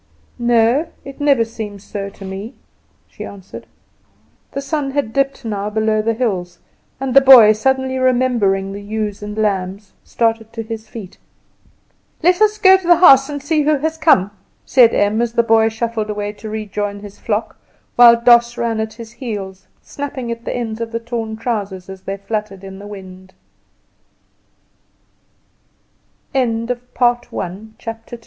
"No, it never seems so to me," she answered. The sun had dipped now below the hills, and the boy, suddenly remembering the ewes and lambs, started to his feet. "Let us also go to the house and see who has come," said Em, as the boy shuffled away to rejoin his flock, while Doss ran at his heels, snapping at the ends of the torn trousers as they f